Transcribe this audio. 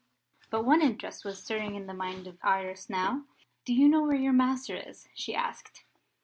But one interest was stirring in the mind of Iris now. "Do you know where your master is?" she asked.